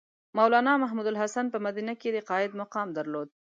مولنا محمودالحسن په مدینه کې د قاید مقام درلود.